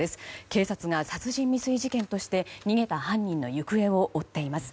警察が殺人未遂事件として逃げた犯人の行方を追っています。